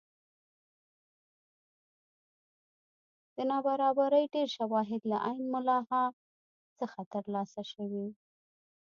د نابرابرۍ ډېر شواهد له عین ملاحا څخه ترلاسه شوي.